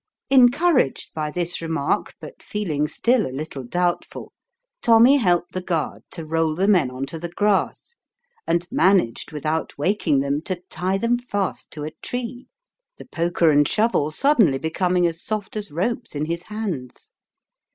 Encouraged by this remark, but feeling still a little doubtful, Tommy helped the guard to roll the men on to the grass, and managed without wak ing them to tie them fast to a tree, the poker and shovel suddenly becoming as soft as ropes in his hands.